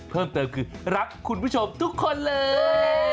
เพิ่มเติมคือรักคุณผู้ชมทุกคนเลย